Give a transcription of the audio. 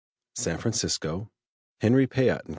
SAN FRANCISCO: HENRY PAYOT & CO.